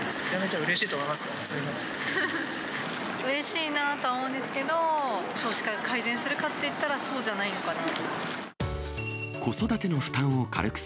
うれしいなとは思うんですけど、少子化が改善するかっていったらそうじゃないのかなと思います。